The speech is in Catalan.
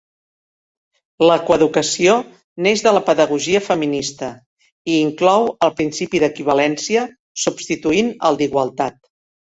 La coeducació neix de la pedagogia feminista i inclou el principi d'equivalència, substituint el d'igualtat.